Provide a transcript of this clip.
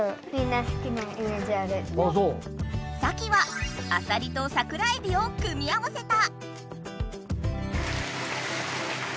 サキはあさりとさくらえびを組み合わせた！